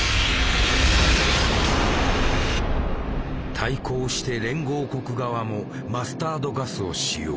対抗して連合国側もマスタードガスを使用。